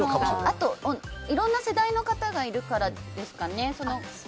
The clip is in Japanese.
あと、いろんな世代の方がいるからですかね。